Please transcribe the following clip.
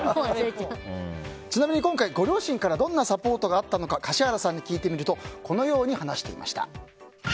ちなみに今回ご両親からどんなサポートがあったのか樫原さんに聞いてみるとこのように話していました。